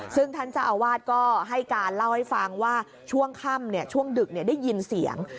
ซึ่งท่านเจ้าอาวาสก็ให้การเล่าให้ฟังว่าช่วงค่ำช่วงดึกได้ยินเสียง